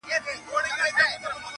لالا راوړې، لالا خوړلې.